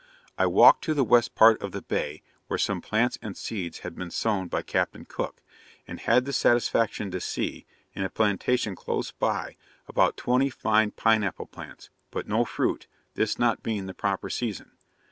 I walked to the west part of the bay, where some plants and seeds had been sown by Captain Cook; and had the satisfaction to see, in a plantation close by, about twenty fine pineapple plants, but no fruit, this not being the proper season.